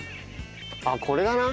あっこれだな。